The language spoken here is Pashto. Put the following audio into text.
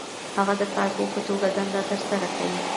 هغه د کارپوه په توګه دنده ترسره کوي.